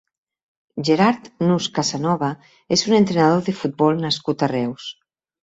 Gerard Nus Casanova és un entrenador de futbol nascut a Reus.